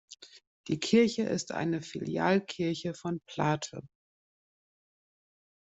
Die Kirche ist eine Filialkirche von Plathe.